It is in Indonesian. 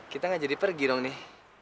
kita gak jadi pergi dong nih